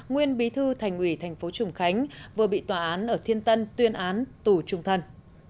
nguyên bí thư thành ủy thành phố trùng khánh vừa bị tòa án ở thiên tân tuyên án tù trung thân